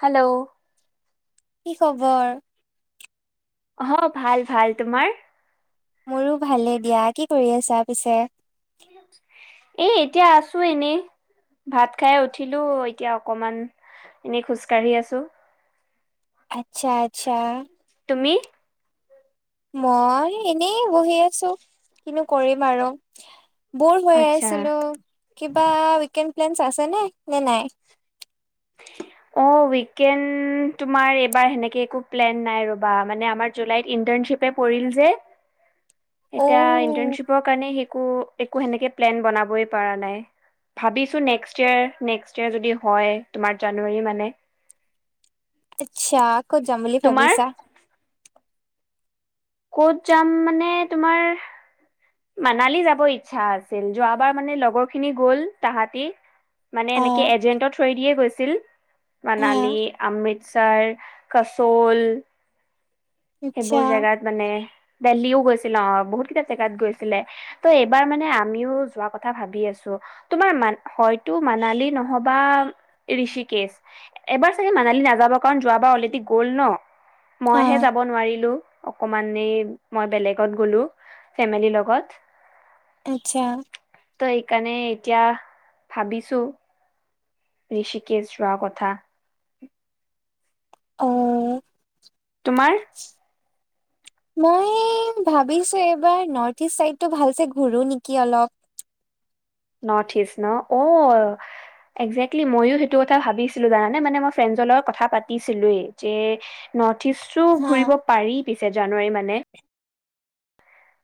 Hello. কি খবৰ? অ ভাল ভাল তোমাৰ? মোৰো ভালে দিয়া কি কৰি আছা পিছে? এ এতিয়া আছোঁ এনেই। ভাত খাই উঠিলোঁ এতিয়া অকমান এনেই খোজকাঢ়ি আছোঁ। আচ্ছা আচ্ছা। তুমি। মই এনেই বহি আছোঁ কিনো কৰিম আৰু। বৰ হৈ আচ্ছা আছিলোঁ কিবা উকেণ্ড প্লেন আছে নে নে নাই। [unintelligible] অ উইকেণ্ড তোমাৰ এইবাৰ হেনেকে একো প্লেন নাই ৰবা মানে আমাৰ জুলাইত ই ইনচেপে পৰিল‌ যে এতিয়া ইনটেন অ' চিপৰ কাৰণে শিকোঁ। একো সেনেকে প্লেন বনাবই পাৰা নাই। ভাবিছোঁ নেকচতেয়াৰ নেকচতেয়াৰ যদি হয় তোমাৰ জানুৱাৰী মানে। আচ্ছা কৌত যাম বুলি তোমাৰ ভাবিছা? ক'ত যাম মানে তোমাৰ। মানালী যাব ইচ্ছা আছিল যোৱাবাৰ মানে লগৰ খিনি গ'ল তাহাঁতি। মানে এনেকে অ' এজেন্টৰ থ্ৰৈ দিয়ে গৈছিল অ' মানালী, অমৃতচাৰ। কাচৌল। আচ্ছা সেইবোৰ জেগাত মানে। দেল্লিও গৈছিল অ বহুত কেইটা জেগাত গৈছিলে ত' এইবাৰ মানে আমিও যোৱা কথা ভাবি আছোঁ। তোমাৰ মা হয়তো মানালী নহ'বা ঋষিকেশ এবাৰ চাগে মান- কালি নাযাব কাৰণ যোৱা বাৰ‌ অলৰেদি গ'ল ন মইহে- অ' যাব নোৱাৰিলোঁ অকণমান এই মই বেলেগত গলোঁ ফেমেলি লগত। আচ্ছা। ত সেইকাৰণে এতিয়া ভাবিছোঁ। ঋষিকে যোৱা কথা। অহ তোমাৰ? মই ভাবিছোঁ এইবাৰ নৰ্থ ইষ্ট চাইডতটো ভালছে ঘোৰু নেকি অলপ। [inaudible] নৰ্থ ইষ্ট ন অ একজেক্টলি মইয়ো সেইটো কথা ভাবিছিলোঁ জানানে মানে মই ফ্ৰে- জনৰ কথা পাতিছিলোৱে যে ন- কিছু হা ঘূৰিব পাৰি পিছে জানুৱাৰী মানে।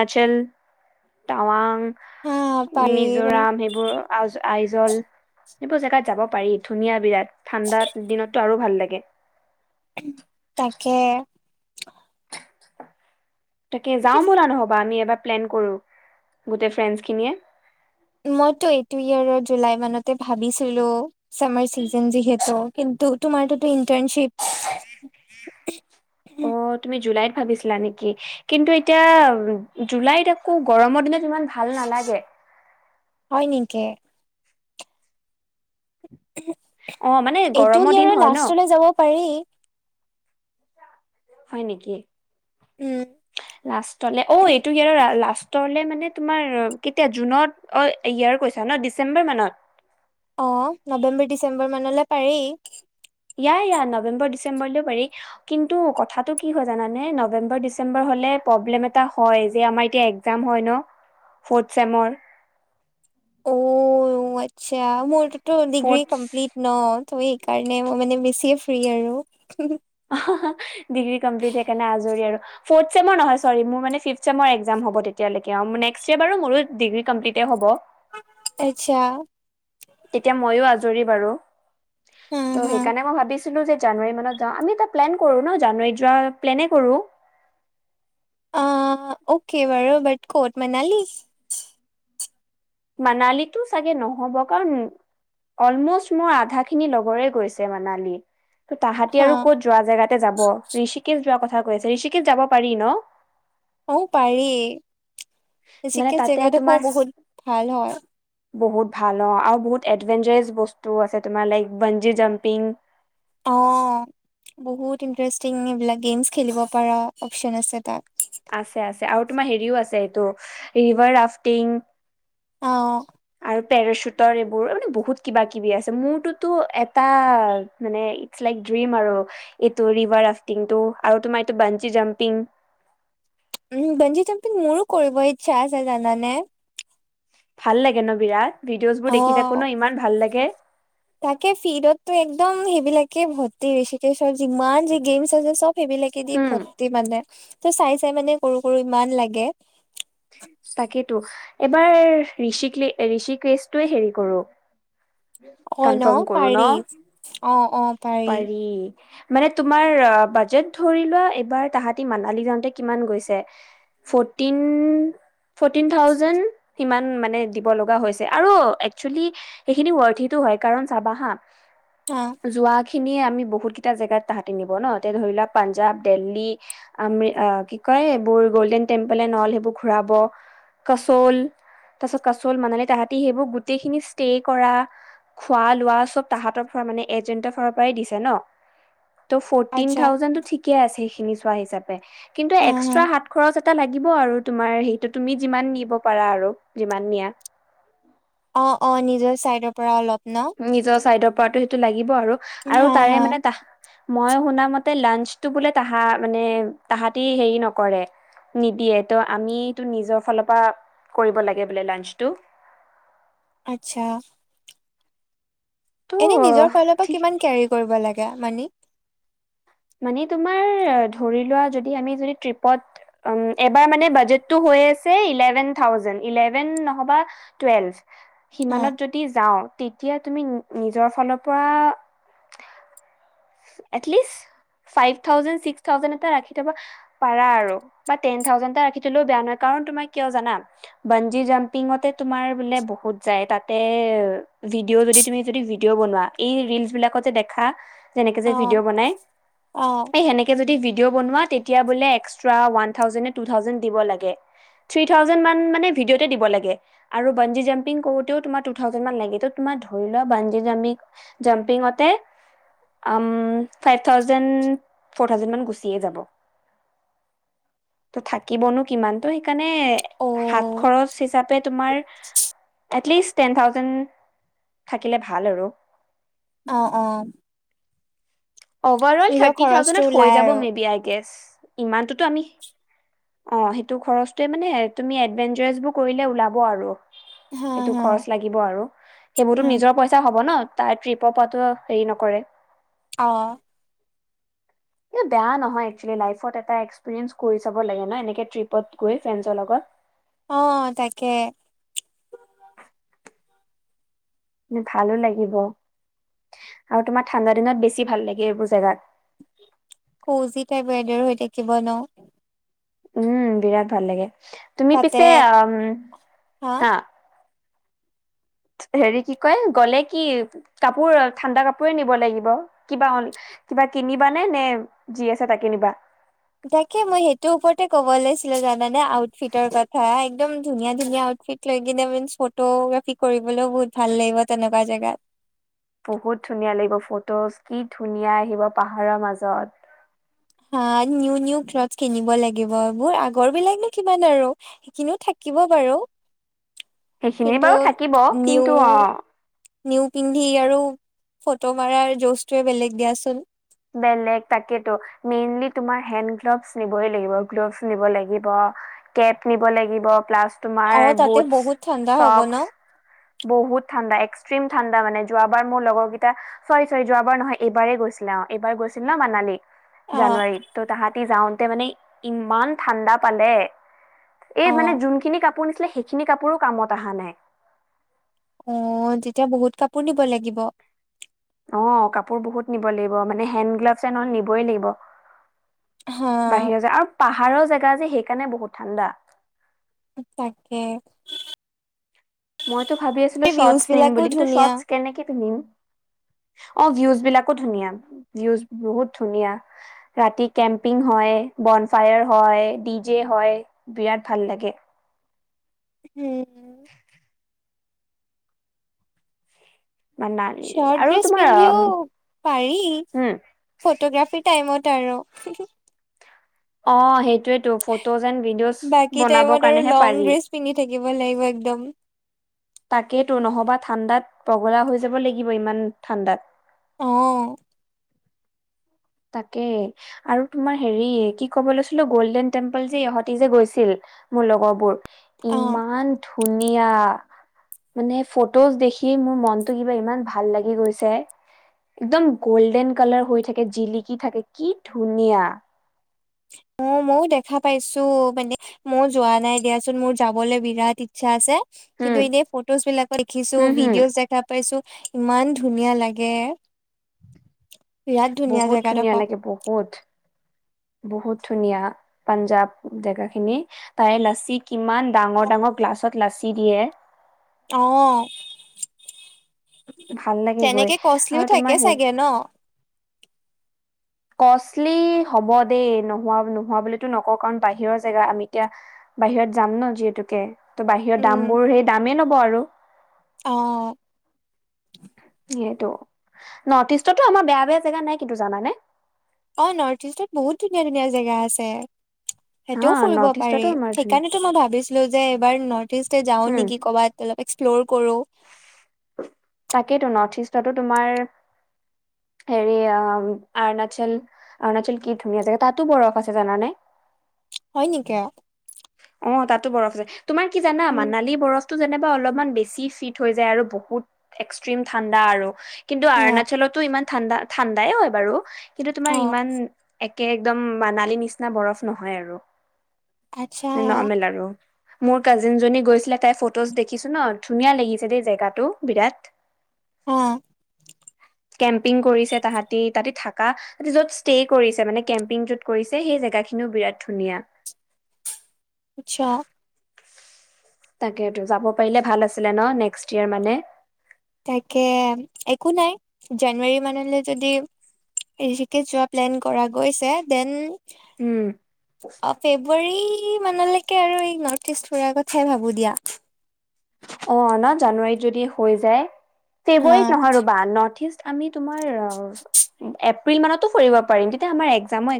আচল, টাৱাং হা পাৰি মানে মিজোৰাম সেইবোৰ আইজল। এইবোৰ জেগাত যাব পাৰি ধুনীয়া বিৰাট ঠাণ্ডাত দিনততো আৰু ভাল লাগে। তাকে। তাকে যাওঁ বোলা নহ'বা আমি এবাৰ প্লেন কৰোঁ গোটেই ফ্ৰেণ্ডছ খিনিয়ে। মই এইটো ইয়াৰত জুলাই মানত ভাবিছিলোঁ সময় চিজন যিহেতু- তো তোমাৰ তোটো ইণ্টেৰ্নশিপ। অ তুমি জুলাইত। ভাৱিছিলা নেকি কিন্তু এতিয়া জুলাইত আকৌ গৰমৰ দিনত ইমান ভাল নালাগে। হয় নিকে। অ', মানে এইটো গৰমৰ দিন ইয়েৰত হয় ন লাষ্টলৈ যাব পাৰি। হয় নেকি উম, লাষ্টলে অ এইটো ইয়েৰত লা লাষ্ট টৰলে মানে তোমাৰ কিতিয়া জুনত অ ইয়েৰ কৈছা ন ডিচেম্বৰ মানত। অ নৱেম্বৰ ডিচেম্বৰ মানলে পাৰি। ইয়াই ইয়া নৱেম্বৰ ডিচেম্বৰলৈও পাৰি কিন্তু কথাটো কি হয় জানানে নৱেম্বৰ ডিচেম্বৰ হ'লে। এ প্ৰব্লেম এটা হয়, যে আমাৰ এতিয়া একজাম হয় ন ফৰ্ট চেমৰ। অ আচ্ছা মোৰতো তো ডিগ্ৰী ফৰ্থ কমপ্লিট ন। ত' এইকাৰণে মই মানে বেছিয়ে ফ্ৰী আৰু। হা হা ডিগ্ৰী কমপ্লিট হে কাৰণে আজৰি আৰু ফৰ্ট চেমৰ নহয় চৰি মোৰ মানে ফিফট চেমৰ এগজাম হ'ব তেতিয়ালৈকে নেক্স ইয়েৰ বাৰু মোৰো ডিগ্ৰী কমপ্লিট হ'ব। আচ্ছা। তেতিয়া মইয়ো আজৰি বাৰু হা ত' হা সেইকাৰণে মই ভাৱিছিলো যে। জানুৱাৰী মানত যাওঁ আমি এটা প্লেন কৰো ন জানুৱাৰীত যোৱা প্লেনে কৰো। অ অকে বাৰ ব কট মনালী। মানালীতো চাগে নহ'ব কাৰণ। অলমোষ্ট মোৰ আধাখিনি লগৰে গৈছে মানালী। ত তাহাঁতি হা আৰু ক'ত যোৱা জেগাতে যাব ঋষিকেত যোৱা কথা কৈ আছে ঋষিকেত যাব পাৰি ন। অ পাৰি মানে বেছিকে তাতে জেগাডোখো তোমাৰ বহুত ভাল হয়। বহুত ভাল অ আৰু বহুত এডভেঞ্চাৰেছ বস্তু আছে তোমাৰ লাইক বঞ্জী জাম্পিং। অ। বহুত ইণ্টাৰেষ্টিং এইবিলাক গেমছ খেলিব পৰা অপচন আছে তাত। আছে আছে আৰু তোমাৰ হেৰিও আছে এইটো ৰিভাৰ ৰাফটিং। অ। আৰু পেৰাশ্বুটৰ এইবোৰ মানে বহুত কিবা কিবি আছে মোৰততো এটা মানে ইটছ লাইক। ডিম আৰু এইটো ৰিভাৰ ৰাফটিংটো আৰু তোমাৰ এইটো বানঞ্চি জাম্পিং। উম বঞ্জি চম্পি মোৰো কৰিব ইচ্ছা আছে জানানে। ভাল লাগে ন বিৰাট। ভিডিঅ'জ বোৰ অ দেখি থাকো ন ইমান ভাল লাগে তাকে ফিৰতটো একদম। সেইবিলাকে ভৰ্তি ঋষিকেশৰ যিমান যি গেমচ আছে চব সেইবিলাকে দি উম ভৰ্তি মানে। ত চাই চাই মানে কৰো কৰো ইমান লাগে। তাকেইেতো এবাৰ ঋষিক ঋষিকেশটোয়ে হেৰি কৰো। অ', ন কনফৰ্ম কৰো পাৰি ন অ', অ', পাৰি। মানে তোমাৰ বাজেট ধৰি লোৱা এইবাৰ তাহাতি মানালী যাওঁতে কিমান গৈছে। ফৰটিন। ফৰটিন থাউজেণ্ড সিমান মানে দিব লগা হৈছে আৰু একচলি সেইখিনি উঅৰথি। হয়তো হয় কাৰণ চাবা হা হা যোৱা। খিনিয়ে আমি বহুত কেইটা জেগাত তাহাঁতি নিব ন এতিয়া ধৰি লোৱা পাঞ্জাৱ দিল্লী আম কি ক। কয় এইবোৰ গ'ল্ডেন টেম্পোল এনল সেইবোৰ ঘুৰাব। কাচল তাৰপিছত কাচল মানে তাহাঁতি সেইবোৰ গোটেইখিনি ষ্টে কৰা। খোৱা লোৱা চব তাহাঁতৰ ফ মানে এজেন্টৰ ফালৰ পৰাই দিছে ন। ত ফিন আচ্ছা থাউজেণ্ড ঠিকে আছে সেইখিনি চোৱা হিচাপে কিন্তু হা এক্সাত হা। হাত খৰচ। এটা লাগিব আৰু তোমাৰ সেইটো তুমি যিমান নিব পাৰা আৰু যিমান নিয়া। অ অ নিজৰ চাইডৰ পৰা অলপ। ন নিজৰ চাইডৰ পৰাটো সেইটো লাগিব আৰু আৰু হা তাৰে হা মানে তাহ। মই শুনা মতে লাঞ্চটো বোলে তাহা মানে তাহাঁতি হেৰি নকৰে। নিদিয়ে ত' আমিটো নিজৰ ফালৰ পৰা কৰিব লাগে বোলে লাঞ্চটো। [inaudible] আচ্ছা। ত' এনে নিজৰ ফালৰ পৰা ঠিক কিমান কেৰি কৰিব লাগে মানি? মানে তোমাৰ ধৰি লোৱা যদি আমি যদি ট্ৰিপত উম এবাৰমানে বাজেট টো হৈ আছে ইলেভেন থাউজেণ্ড ইলেভেন নহবা টোৱেলভ। হা সিমানত যদি যাওঁ তেতিয়া। তুমি নিজৰ ফালৰ পৰা at least. Five thousand six thousand এটা ৰাখি থব পাৰা আৰু বা টেন থাউজেণ্ড এটা ৰাখি থলেও বে নহয় কাৰ। কাৰণ তোমাৰ কিয় জানা। ব্ৰঞ্জি জাম্পিং তে তোমাৰ বহুত বোলে যায় তাতে এ। ভিডিঅ' যদি তুমি যদি ভিডিঅ' বনোৱা এই ৰিলচ বিলাকত যে দেখা যেনেকে অ', যে ভিডিঅ' বনাই অ', এই সেনেকে যদি। ভিদেঅঁ বনুৱা তেতিয়া বোলে এক্সট্ৰা উৱান থাওজেণ্ডনে টোৱ থাওজেণ্ড দিব লাগে। থ্ৰী থাউজে মান মানে ভিডিঅ দ লাগে আৰু বনি জাম্পিং কৰো তেও ট থাউজেন মান লাগে। ধৰি ল বঞ্জি জামি জাম্পিংতে। ফাইভ থাউজেণ্ড ফ'ৰ থাউজেণ্ড মান গুচিয়ে যাব। ত থাকিবনো কিমানতো। মানে হাত অ', খৰচ হিচাপে তোমাৰ এটলিষ্ট। টেন থাউজেণ্ড থাকিলে ভাল আৰু। অ অ। অভাৰ অল নিজৰ থাৰ্টি খৰচটো থাউজেডত হৈ ওলাই যাব আৰু। মে বি আই গেছ ইমানটোতো আমি। অ সেইটো খৰচটোৱে মানে তুমি এভেঞ্জাসবোৰ কৰিলে ওলাব আৰু। হা, সেইটো হা, খৰচ লাগিব আৰু সেইবোৰতো হা, নিজৰ পইচা হব ন। তাই ট্ৰিপৰ পৰাতো হেৰি নকৰে। অ। এ বেয়া নহয় এক্চুৱেলি লাইফত এটা এক্সপিৰিয়েঞ্চ কৰি চাব লাগে ন এনেকে ট্ৰিপত গৈ ফ্ৰেণ্ডৰ লগত। অ তাকে। ভালো লাগিব। আৰু তোমাৰ ঠাণ্ডা দিনত বেছি ভাল লাগে এইবোৰ জেগাত। সৌজি টাইপ ৱেডাৰ হৈ থাকিব ন? উম বিৰাট ভাল লাগে তুমি তাতে পিছে হা হেৰি কি কয় গ'লে কি কাপোৰ ঠাণ্ডা কাপোৰে নিব লাগিব। কিবা কিবা কিনিবা নে নে যি আছে তাকেই নিবা? তাকে মই সেইটোৰ ওপৰতে ক'ব লৈছিলো জানানে? আউটফিটৰ কথা একদম ধুনীয়া ধুনীয়া আউটফিট লৈ কিনে ম ফটোগ্ৰাফি কৰিবলৈও বহুত ভাল লাগিব তেনেকুৱা জেগাত। বহুত ধুনীয়া লাগিব ফটোজ কি ধুনীয়া আহিব পাহাৰৰ মাজত। হা নিউ নিউ ক্লথ কিনিব লাগিববোৰ আগৰ বিলাকনো কিমান আৰু সেইখিনিও থাক থাকিব বাৰু। [inaudible] সেইখিনি কিন্তু বাৰু থাকিব নিউ কিন্তু অ নিউ পিন্ধি আৰু ফটো মাৰাৰ যুজটোয়ে বেলেগ দিয়াচোন। বেলেগ তাকেতো মেইনলি তুমাৰ হেড গ্ল'ভছ নিবই লাগিব গ্ল'ভছ নিব লাগিব। কেপ নিব লাগিব প্লাছ তোমাৰ অ তাতে বোতচ বহুত ঠাণ্ডা হ'ব শৌক্স ন বহুত ঠাণ্ডা এক্স এক্সট্ৰিম ঠাণ্ডা মানে যোৱাবাৰ মোৰ লগৰ কেইটা ছয় ছৰি যোৱাবাৰ নহয় এইবাৰেই গৈছে। এইবাৰ গৈছিল ন মানালী অ জানুৱাৰীত ত' তাহাঁতি যাওঁ মানে ইমান ঠাণ্ডা পালে অ এই মানে যোনখিনি কাপোৰ নিছিলে সেইখিনি কাপোৰ কাপোৰো কামত অহা নাই। অ তেতিয়া বহুত কাপোৰ নিব লাগিব। অ কাপোৰ বহুত নিব লাগিব মানে হেড গ্লাভছ এন অ'ল নিবই লাগিব। হা বাহিৰৰ জো আৰু পাহাৰৰ জেগা যে সেইকাৰণে বহুত ঠাণ্ডা। তাকে মইতো ভাবি আছিলো এই ভিউজ স্বৰ্তচ নিম বিলাকো বুলি কিন্তু ধুনীয়া স্বৰ্তচ কেনেক পিন্ধিম অ ভিউজ বিলাকো ধুনীয়া ভিউজ বহুত ধুনীয়া ৰাতি কেম্পিং হয় ব কন ফায়াৰ হয় ডি জে হয় বিৰাট ভাল লাগে উম মানালী শৰ্ট আৰু ড্ৰেছ তোমাৰ পিন্ধিও উম, পাৰি হুম, ফটোগ্ৰাফিৰ টাইমত। তেৰ [inaudible] অ সেইটোৱেতো ফটোজ এণ্ড ভিডিঅ'জ বাকী বনাবৰ টাইমত আৰু কাৰণেহে লং পাৰি। ড্ৰেছ পিন্ধি লাগিব থাকিব একদম। তাকেইতো নহবা ঠাণ্ডাত পগলা হৈ যাব লাগিব ইমান ঠাণ্ডাত। অ তাকে আৰু তোমাৰ হেৰি কি ক'ব লৈছিলো গল্ডেন টেম্পল যে ইহতি যে গৈছিল। মোৰ লগৰবোৰ, অ ইমান ধুনীয়া! মানে ফটোজ দেখি মোৰ মনতটো কিবা ইমান ভাল লাগি গৈছে। একদম গোল্ডেন কালাৰ হৈ থাকে জিলিকি থাকে কি ধুনীয়া! অ মও দেখা পাইছো মানে ময়ো যোৱা নাই দিয়াচোন মোৰ যাবলে বিৰাট ইচ্ছা আছে। কিন্তু হম এনেই ফটোজ বিলাকত দেখিছো হম হম ভিডিঅজ দেখা পাইছো। ইমান ধুনীয়া লাগে। বিৰাট বহুত ধুনীয়া জেগাডোখৰ লাগে বহুত বহুত। ধুনীয়া পাঞ্জাব জেগা খিনি তাৰে লাচি কিমান ডাঙৰ ডাঙৰ গ্লাছত লাচ্চি দিয়ে। আহ। ভাল লাগে গৈ তেনেকে আৰু কষ্টলিও তোমাৰ থাকে হেৰি চাগে ন? কষ্টলি হ'ব দেই, নোহোৱা নোহোৱা বুলিতো নকওঁ কাৰণ বাহিৰৰ জেগা আমি এতিয়া বাহিৰত যাম ন যিহেতুকে ত বাহিৰত উম দাম বোৰ সেই দামেই লব আৰু। অ' সেইটো নৰ্থ ইষ্টতো আমাৰ বেয়া বেয়া জেগা নাই কিন্তু জানানে অ নৰ্থ ইষ্টত বহুত ধুনীয়া ধুনীয়া জেগা আছে হা সেইটোও ফুৰিব নৰ্থ পাৰি ইষ্টতো আমাৰ ধুনীয়া সেইকাৰণেতো মই ভাবিছিলো যে এইবাৰ নৰ্ট ইষ্ট তে যাও উম নিকি কবাত অলপ এক্সপ্লৰ কৰো তাকেইতো নৰ্থ ইষ্টতো তোমাৰ হেৰি অ অৰণাচল অৰুণাচল কি ধুনীয়া জেগা তাতো বৰফ আছে জানানে [inaudible] হয় নিকা অ তাতো বৰফ আছে তোমাৰ কি জানা মানালী বৰফতো যেনিবা অলপমান বেছি ফিট হৈ যায় আৰু বহুত এক্সট্ৰিম ঠাণ্ডা আৰু কিন্তু অ' অৰণাচলতো ইমান ঠাণ্ডা ঠাণ্ডাই হয় বাৰু কিন্তু তোমাৰ অ' ইমান একে একদম মানালি নিচিনা বৰফ নহয় আৰু আচ্ছা নৰ্মেল লাৰু মোৰ কাজিন জনী গৈছিলে তাই ফটোজ দেখিছো ন ধুনীয়া লাগিছে দেই জেগাটো বিৰাট হা কেম্পিং কৰিছে তাহাঁতি তাহতে থাকা য'ত ষ্টে' কৰিছে মানে কেম্পিং যত কৰিছে সেই জেগাখিন খিনো বিৰাট ধুনীয়া আচছা তাকেতো যাব পাৰিলে ভাল আছিলে ন নেক্স ইয়েৰ মানে তাকে একো নাই জানুৱাৰী মানলে যদি এজুকে যোৱা প্লেন কৰা গৈছে দেন উম অ ফেব্ৰুৱাৰীত কি মানলৈকে আৰু এই নৰ্থ ইষ্ট ফুৰাৰ কথাই ভাবো দিয়া অ ন জানুৱাৰীত যদি হৈ যায় অ ফেব্ৰুৱাৰীত নহয় ৰ'বা নৰ্থ ইষ্ট আমি তোমাৰ অ এপ্ৰিল মানতো ফুৰিব পাৰিম তেতিয়া আমাৰ একজামো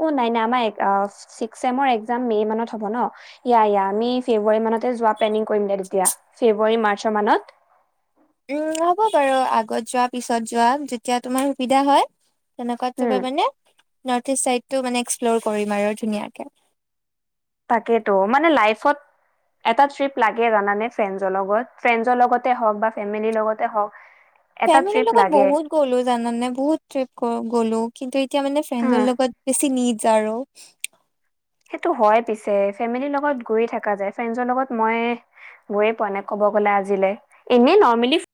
অ নাই নাই আমাৰ এক আ চিস্ক চেমৰ একজাম মে মানত হব' ন ইয়া ইয়া আমি ফেব্ৰুৱাৰী মানতে যোৱা প্লেনিং কৰিম দে দিয়া ফেব্ৰুৱাৰী মাৰ্চ মানত উম হ'ব বাৰু আগত যোৱা পিছত যোৱা যেতিয়া তোমাৰ সুবিধা হয় তেনেকুৱাত উম তবা মানে নৰ্থ ইষ্ট চাইডটো মানে এক্সপ্লৰ কৰিম আৰু ধুনীয়াকে। তাকেইতো মানে লাইফত এটা ট্ৰিপ লাগে জানানে ফ্ৰেণ্ডজৰ লগত, ফ্ৰেণ্ডছৰ লগতে হওঁক বা ফেমিলিৰ লগতে হওঁক ফেমিলিৰ লগত বহুত গলো জানানে বহুত ট্ৰিপ গ'লো কিন্তু এতিয়া মানে হা ফ্ৰেণ্ডচৰ লগত বেছি নিজ আৰু সেইটো হয় পিছে ফেমিলিৰ লগত গৈয়ে থাকা যায়, ফ্ৰেণ্ডছৰ লগত মই গৈয়ে পোৱা নাই কব ববলা আজিলে, এনে নৰ্মেলি ফে